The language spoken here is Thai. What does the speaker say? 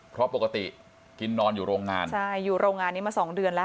เพราะปกติกินนอนอยู่โรงงานใช่อยู่โรงงานนี้มาสองเดือนแล้ว